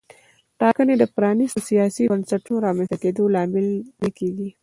ټاکنې د پرانیستو سیاسي بنسټونو رامنځته کېدو لامل نه کېږي.